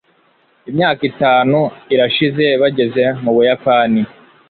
imyaka itanu irashize bageze mu buyapani